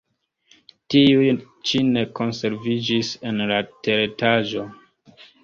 Tiuj ĉi ne konserviĝis en la teretaĝo.